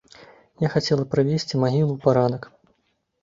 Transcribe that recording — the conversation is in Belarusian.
Я хацела прывесці магілы ў парадак.